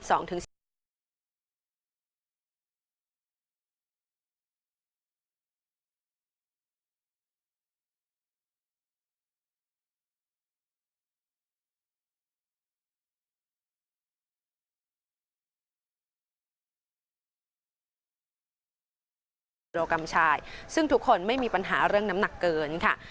ก็จะแข่งขันกัน๑๒๑๖กรัมชายซึ่งทุกคนไม่มีปัญหาเรื่องน้ำหนักเกินค่ะ